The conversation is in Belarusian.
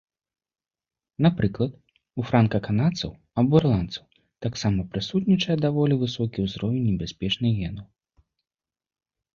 Напрыклад у франка-канадцаў або ірландцаў таксама прысутнічае даволі высокі ўзровень небяспечных генаў.